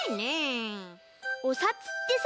おさつってさ